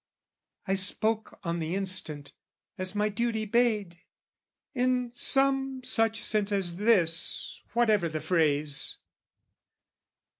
I spoke on the instant, as my duty bade, In some such sense as this, whatever the phrase.